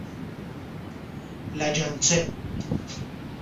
لگن چه